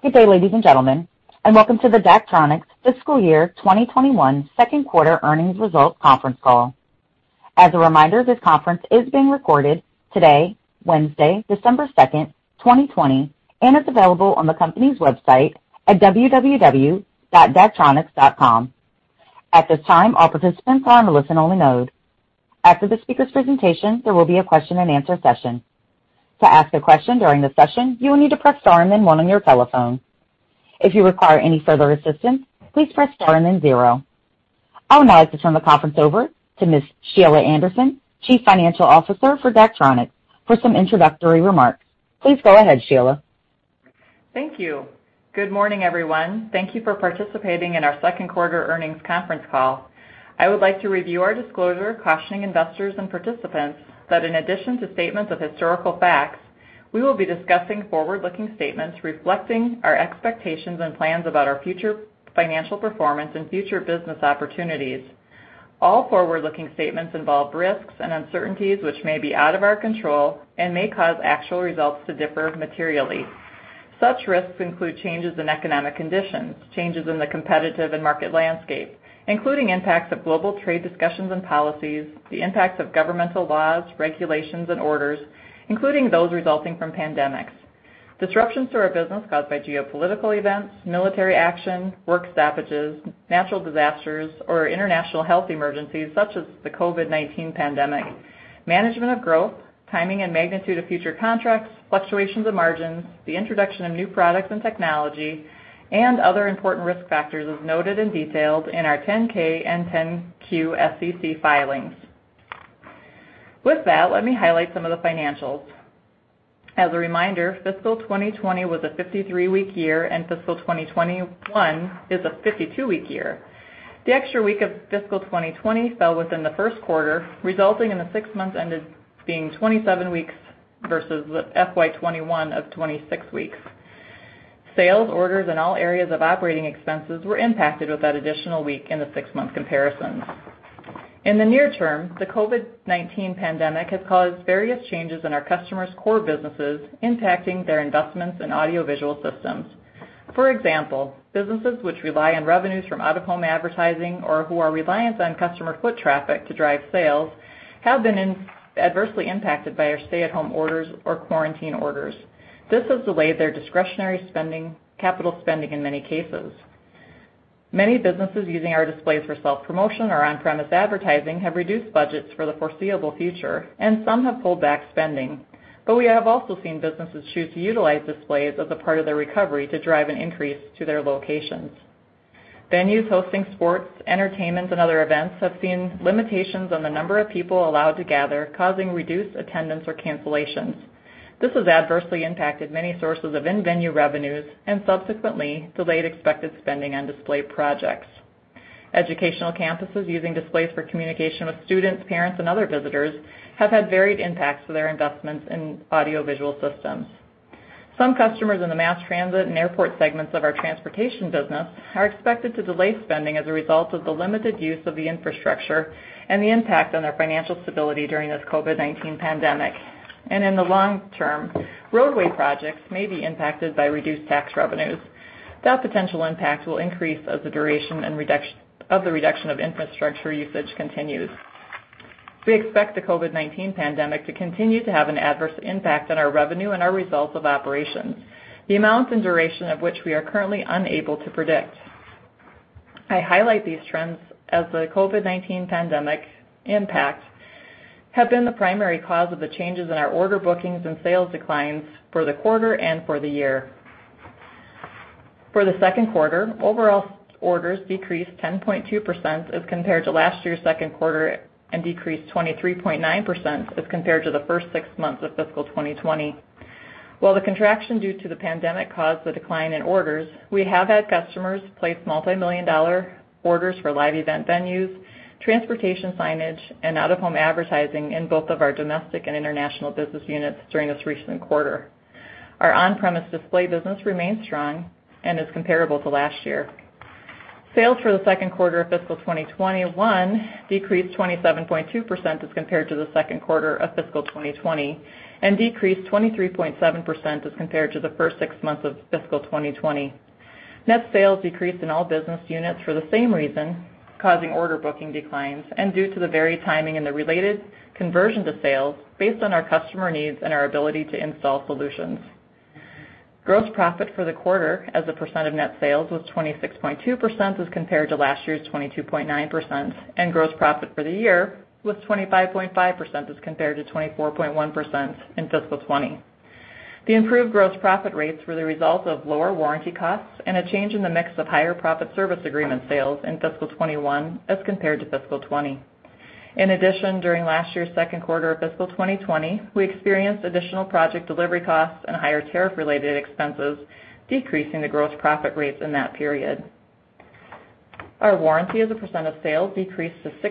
Good day, ladies and gentlemen, and welcome to the Daktronics fiscal year 2021 second quarter earnings results conference call. As a reminder, this conference is being recorded today, Wednesday, December 2nd, 2020, and it's available on the company's website at www.daktronics.com. At this time, all participants are on a listen-only mode. After the speaker's presentation, there will be a question-and-answer session. I'll now like to turn the conference over to Ms. Sheila Anderson, Chief Financial Officer for Daktronics, for some introductory remarks. Please go ahead, Sheila. Thank you. Good morning, everyone. Thank you for participating in our second quarter earnings conference call. I would like to review our disclosure cautioning investors and participants that in addition to statements of historical facts, we will be discussing forward-looking statements reflecting our expectations and plans about our future financial performance and future business opportunities. All forward-looking statements involve risks and uncertainties which may be out of our control and may cause actual results to differ materially. Such risks include changes in economic conditions, changes in the competitive and market landscape, including impacts of global trade discussions and policies, the impacts of governmental laws, regulations, and orders, including those resulting from pandemics. Disruptions to our business caused by geopolitical events, military action, work stoppages, natural disasters, or international health emergencies such as the COVID-19 pandemic, management of growth, timing and magnitude of future contracts, fluctuations in margins, the introduction of new products and technology, and other important risk factors as noted and detailed in our 10-K and 10-Q SEC filings. With that, let me highlight some of the financials. As a reminder, fiscal 2020 was a 53-week year, and fiscal 2021 is a 52-week year. The extra week of fiscal 2020 fell within the first quarter, resulting in the six months ended being 27 weeks versus FY 2021 of 26 weeks. Sales orders in all areas of operating expenses were impacted with that additional week in the six-month comparisons. In the near term, the COVID-19 pandemic has caused various changes in our customers' core businesses, impacting their investments in audiovisual systems. For example, businesses which rely on revenues from out-of-home advertising or who are reliant on customer foot traffic to drive sales have been adversely impacted by our stay-at-home orders or quarantine orders. This has delayed their discretionary capital spending in many cases. Many businesses using our displays for self-promotion or on-premise advertising have reduced budgets for the foreseeable future, and some have pulled back spending. We have also seen businesses choose to utilize displays as a part of their recovery to drive an increase to their locations. Venues hosting sports, entertainment, and other events have seen limitations on the number of people allowed to gather, causing reduced attendance or cancellations. This has adversely impacted many sources of in-venue revenues and subsequently delayed expected spending on display projects. Educational campuses using displays for communication with students, parents, and other visitors have had varied impacts to their investments in audiovisual systems. Some customers in the mass transit and airport segments of our transportation business are expected to delay spending as a result of the limited use of the infrastructure and the impact on their financial stability during this COVID-19 pandemic. In the long term, roadway projects may be impacted by reduced tax revenues. That potential impact will increase as the duration of the reduction of infrastructure usage continues. We expect the COVID-19 pandemic to continue to have an adverse impact on our revenue and our results of operations, the amount and duration of which we are currently unable to predict. I highlight these trends as the COVID-19 pandemic impact have been the primary cause of the changes in our order bookings and sales declines for the quarter and for the year. For the second quarter, overall orders decreased 10.2% as compared to last year's second quarter and decreased 23.9% as compared to the first six months of fiscal 2020. While the contraction due to the pandemic caused the decline in orders, we have had customers place multimillion-dollar orders for live event venues, transportation signage, and out-of-home advertising in both of our domestic and international business units during this recent quarter. Our on-premise display business remains strong and is comparable to last year. Sales for the second quarter of fiscal 2021 decreased 27.2% as compared to the second quarter of fiscal 2020 and decreased 23.7% as compared to the first six months of fiscal 2020. Net sales decreased in all business units for the same reason, causing order booking declines and due to the varied timing and the related conversion to sales based on our customer needs and our ability to install solutions. Gross profit for the quarter as a percent of net sales was 26.2% as compared to last year's 22.9%, and gross profit for the year was 25.5% as compared to 24.1% in fiscal 2020. The improved gross profit rates were the result of lower warranty costs and a change in the mix of higher profit service agreement sales in fiscal 2021 as compared to fiscal 2020. In addition, during last year's second quarter of fiscal 2020, we experienced additional project delivery costs and higher tariff-related expenses, decreasing the gross profit rates in that period. Our warranty as a percent of sales decreased to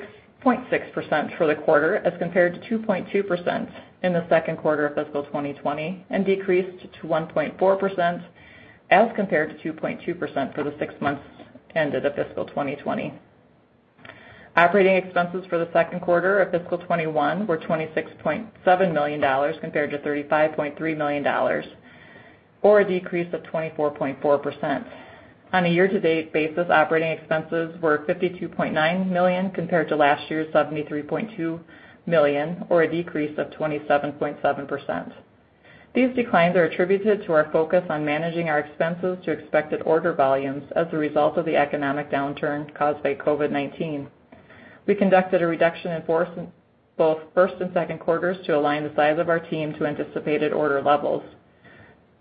6.6% for the quarter as compared to 2.2% in the second quarter of fiscal 2020 and decreased to 1.4% as compared to 2.2% for the six months ended of fiscal 2020. Operating expenses for the second quarter of fiscal 2021 were $26.7 million, compared to $35.3 million, or a decrease of 24.4%. On a year-to-date basis, operating expenses were $52.9 million compared to last year's $73.2 million, or a decrease of 27.7%. These declines are attributed to our focus on managing our expenses to expected order volumes as a result of the economic downturn caused by COVID-19. We conducted a reduction in both first and second quarters to align the size of our team to anticipated order levels.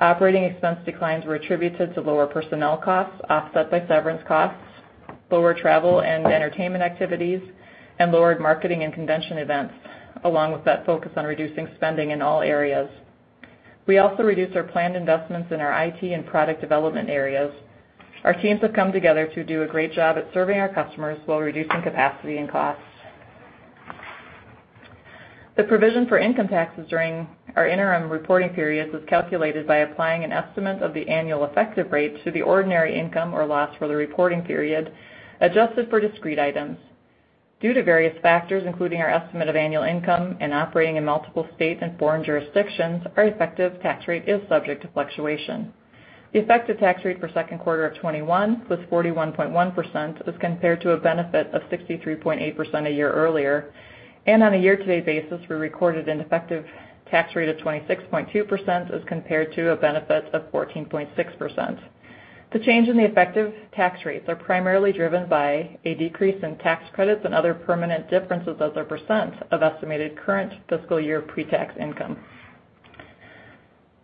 Operating expense declines were attributed to lower personnel costs offset by severance costs, lower travel and entertainment activities, and lowered marketing and convention events, along with that focus on reducing spending in all areas. We also reduced our planned investments in our IT and product development areas. Our teams have come together to do a great job at serving our customers while reducing capacity and costs. The provision for income taxes during our interim reporting periods is calculated by applying an estimate of the annual effective rate to the ordinary income or loss for the reporting period, adjusted for discrete items. Due to various factors, including our estimate of annual income and operating in multiple state and foreign jurisdictions, our effective tax rate is subject to fluctuation. The effective tax rate for second quarter of 2021 was 41.1%, as compared to a benefit of 63.8% a year earlier. On a year-to-date basis, we recorded an effective tax rate of 26.2% as compared to a benefit of 14.6%. The change in the effective tax rates are primarily driven by a decrease in tax credits and other permanent differences as a percent of estimated current fiscal year pre-tax income.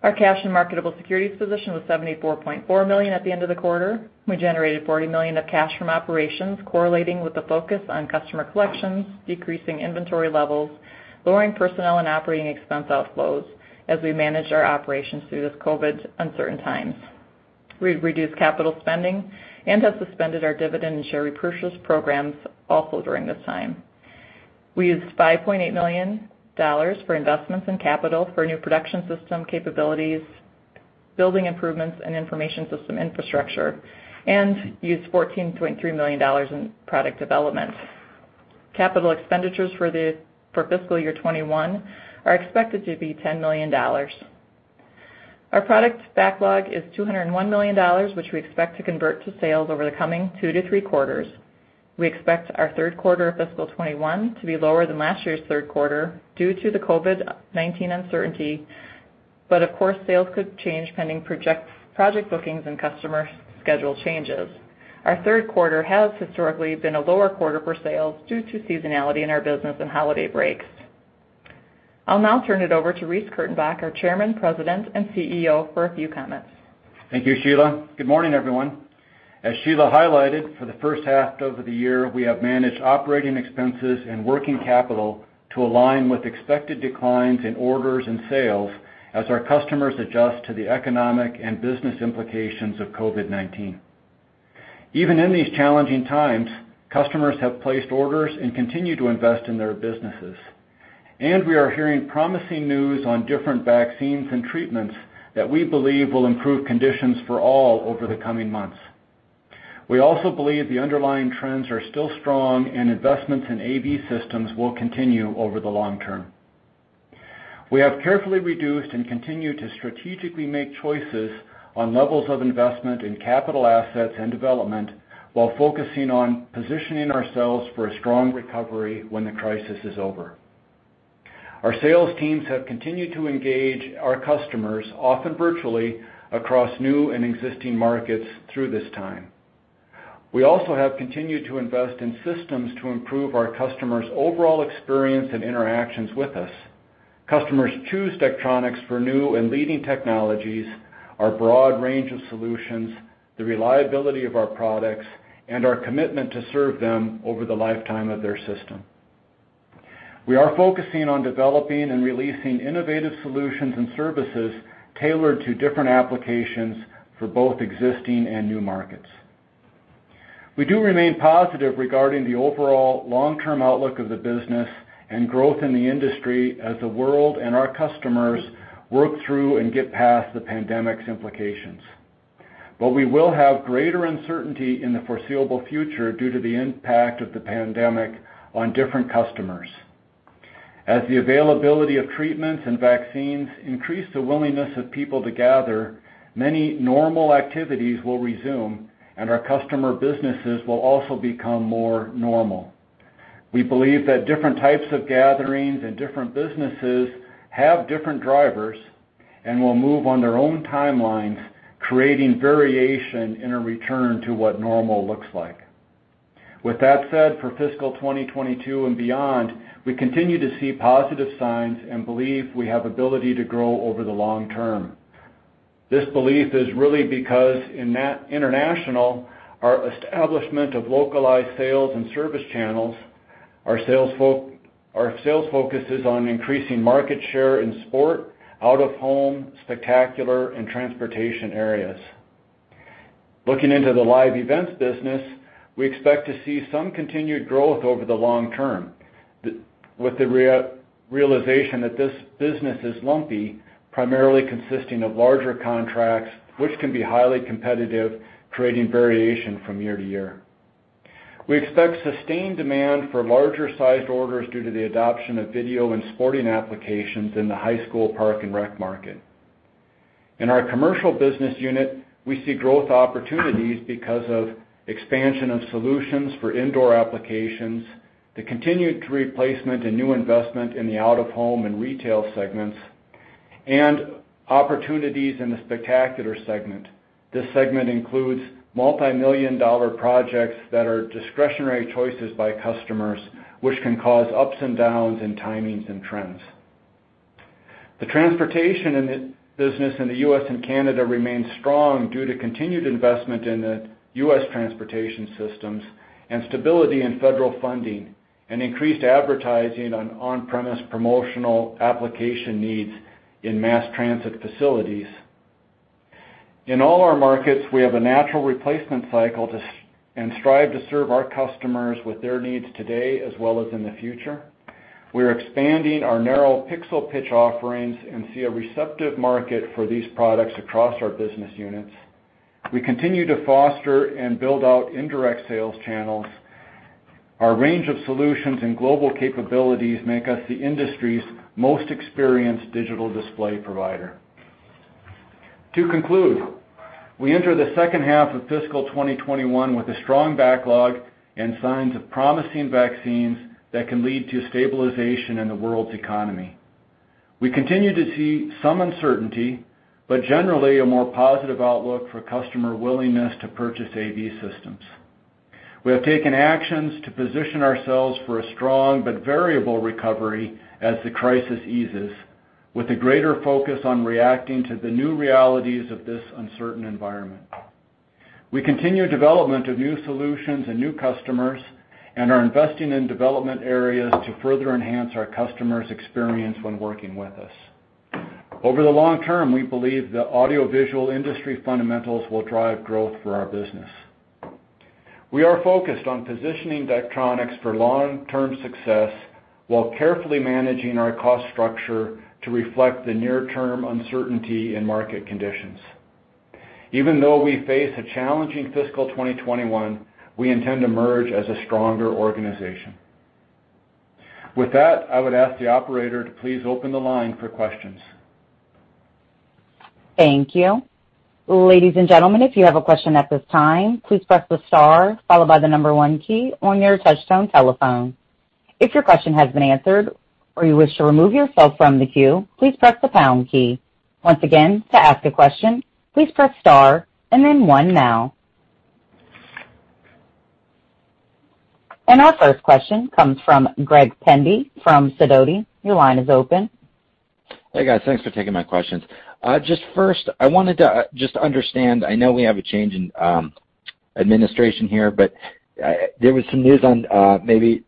Our cash and marketable securities position was $74.4 million at the end of the quarter. We generated $40 million of cash from operations correlating with the focus on customer collections, decreasing inventory levels, lowering personnel and operating expense outflows as we managed our operations through this COVID-19 uncertain times. We've reduced capital spending and have suspended our dividend and share repurchase programs also during this time. We used $5.8 million for investments in capital for new production system capabilities, building improvements, and information system infrastructure, and used $14.3 million in product development. Capital expenditures for fiscal year 2021 are expected to be $10 million. Our product backlog is $201 million, which we expect to convert to sales over the coming two to three quarters. We expect our third quarter of fiscal 2021 to be lower than last year's third quarter due to the COVID-19 uncertainty. Of course, sales could change pending project bookings and customer schedule changes. Our third quarter has historically been a lower quarter for sales due to seasonality in our business and holiday breaks. I'll now turn it over to Reece Kurtenbach, our Chairman, President, and CEO, for a few comments. Thank you, Sheila. Good morning, everyone. As Sheila highlighted, for the first half of the year, we have managed operating expenses and working capital to align with expected declines in orders and sales as our customers adjust to the economic and business implications of COVID-19. We are hearing promising news on different vaccines and treatments that we believe will improve conditions for all over the coming months. We also believe the underlying trends are still strong and investments in AV systems will continue over the long term. We have carefully reduced and continue to strategically make choices on levels of investment in capital assets and development while focusing on positioning ourselves for a strong recovery when the crisis is over. Our sales teams have continued to engage our customers, often virtually, across new and existing markets through this time. We also have continued to invest in systems to improve our customers' overall experience and interactions with us. Customers choose Daktronics for new and leading technologies, our broad range of solutions, the reliability of our products, and our commitment to serve them over the lifetime of their system. We are focusing on developing and releasing innovative solutions and services tailored to different applications for both existing and new markets. We do remain positive regarding the overall long-term outlook of the business and growth in the industry as the world and our customers work through and get past the pandemic's implications. We will have greater uncertainty in the foreseeable future due to the impact of the pandemic on different customers. As the availability of treatments and vaccines increase the willingness of people to gather, many normal activities will resume, and our customer businesses will also become more normal. We believe that different types of gatherings and different businesses have different drivers and will move on their own timelines, creating variation in a return to what normal looks like. With that said, for fiscal 2022 and beyond, we continue to see positive signs and believe we have ability to grow over the long term. This belief is really because in international, our establishment of localized sales and service channels, our sales focus is on increasing market share in sport, out of home, spectacular, and transportation areas. Looking into the live events business, we expect to see some continued growth over the long term. With the realization that this business is lumpy, primarily consisting of larger contracts which can be highly competitive, creating variation from year to year. We expect sustained demand for larger sized orders due to the adoption of video and sporting applications in the high school park and rec market. In our commercial business unit, we see growth opportunities because of expansion of solutions for indoor applications, the continued replacement and new investment in the out of home and retail segments, and opportunities in the spectacular segment. This segment includes multimillion-dollar projects that are discretionary choices by customers, which can cause ups and downs in timings and trends. The transportation business in the U.S. and Canada remains strong due to continued investment in the U.S. transportation systems, and stability in federal funding, and increased advertising on on-premise promotional application needs in mass transit facilities. In all our markets, we have a natural replacement cycle and strive to serve our customers with their needs today as well as in the future. We're expanding our narrow pixel pitch offerings and see a receptive market for these products across our business units. We continue to foster and build out indirect sales channels. Our range of solutions and global capabilities make us the industry's most experienced digital display provider. To conclude, we enter the second half of fiscal 2021 with a strong backlog and signs of promising vaccines that can lead to stabilization in the world's economy. We continue to see some uncertainty, but generally a more positive outlook for customer willingness to purchase AV systems. We have taken actions to position ourselves for a strong but variable recovery as the crisis eases, with a greater focus on reacting to the new realities of this uncertain environment. We continue development of new solutions and new customers and are investing in development areas to further enhance our customers' experience when working with us. Over the long term, we believe the audiovisual industry fundamentals will drive growth for our business. We are focused on positioning Daktronics for long-term success while carefully managing our cost structure to reflect the near-term uncertainty in market conditions. Even though we face a challenging fiscal 2021, we intend to merge as a stronger organization. With that, I would ask the operator to please open the line for questions. Our first question comes from Greg Pendy from Sidoti. Your line is open. Hey, guys. Thanks for taking my questions. First, I wanted to just understand, I know we have a change in administration here, there was some news on maybe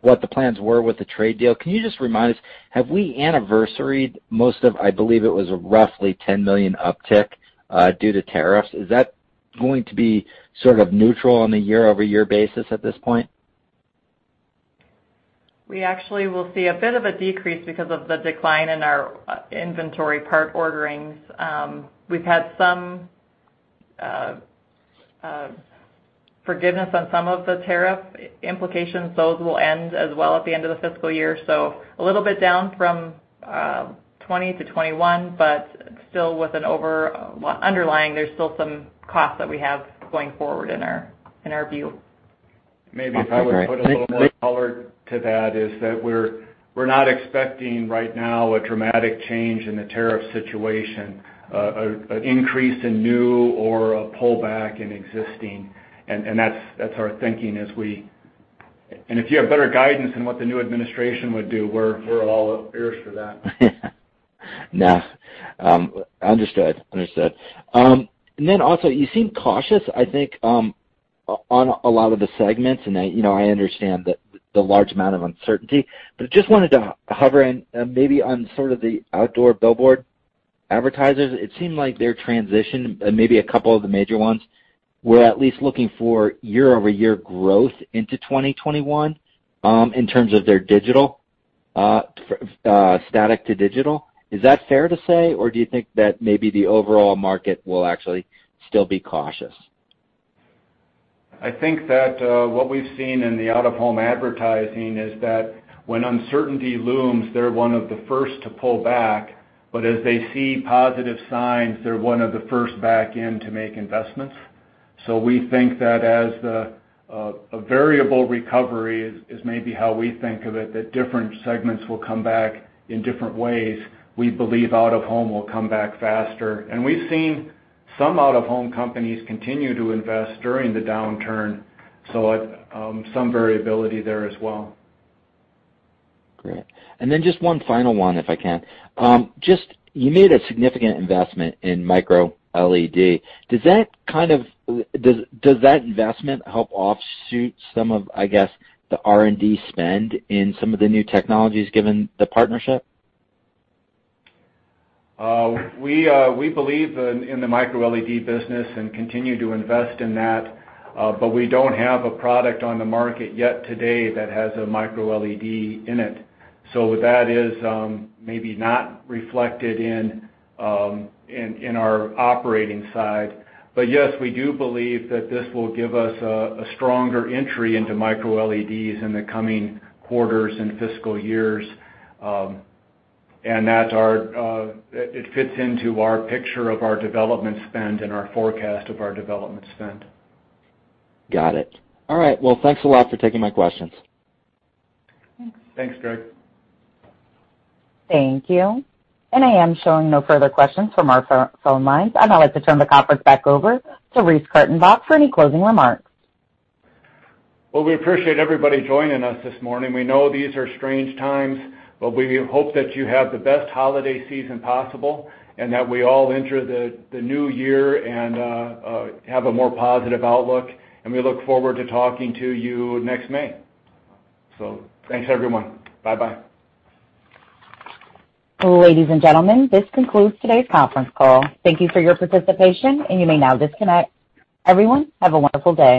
what the plans were with the trade deal. Can you just remind us, have we anniversaried most of, I believe it was a roughly $10 million uptick, due to tariffs? Is that going to be sort of neutral on a year-over-year basis at this point? We actually will see a bit of a decrease because of the decline in our inventory part orderings. We've had some forgiveness on some of the tariff implications. Those will end as well at the end of the fiscal year. A little bit down from 2020 to 2021, but still there's still some costs that we have going forward in our view. Maybe if I would put a little more color to that is that we're not expecting right now a dramatic change in the tariff situation, an increase in new or a pullback in existing. That's our thinking. If you have better guidance in what the new administration would do, we're all ears for that. No. Understood. Then also, you seem cautious, I think, on a lot of the segments, and I understand the large amount of uncertainty. Just wanted to hover in maybe on sort of the outdoor billboard advertisers. It seemed like their transition, maybe a couple of the major ones, were at least looking for year-over-year growth into 2021 in terms of their static to digital. Is that fair to say, or do you think that maybe the overall market will actually still be cautious? I think that what we've seen in the out-of-home advertising is that when uncertainty looms, they're one of the first to pull back, but as they see positive signs, they're one of the first back in to make investments. We think that as a variable recovery is maybe how we think of it, that different segments will come back in different ways. We believe out of home will come back faster. We've seen some out-of-home companies continue to invest during the downturn, so some variability there as well. Great. Just one final one, if I can. You made a significant investment in MicroLED. Does that investment help offshoot some of, I guess, the R&D spend in some of the new technologies given the partnership? We believe in the MicroLED business and continue to invest in that, but we don't have a product on the market yet today that has a MicroLED in it. That is maybe not reflected in our operating side. Yes, we do believe that this will give us a stronger entry into MicroLEDs in the coming quarters and fiscal years. It fits into our picture of our development spend and our forecast of our development spend. Got it. All right, well, thanks a lot for taking my questions. Thanks, Greg. Thank you. I am showing no further questions from our phone lines. I'd now like to turn the conference back over to Reece Kurtenbach for any closing remarks. Well, we appreciate everybody joining us this morning. We know these are strange times, but we hope that you have the best holiday season possible and that we all enter the new year and have a more positive outlook. We look forward to talking to you next May. Thanks, everyone. Bye-bye. Ladies and gentlemen, this concludes today's conference call. Thank you for your participation, and you may now disconnect. Everyone, have a wonderful day.